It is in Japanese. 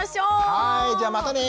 はいじゃあまたね！